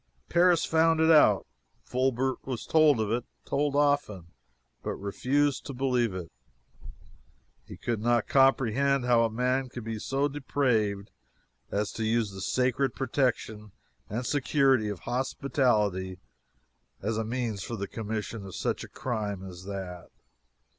Paris found it out. Fulbert was told of it told often but refused to believe it. He could not comprehend how a man could be so depraved as to use the sacred protection and security of hospitality as a means for the commission of such a crime as that.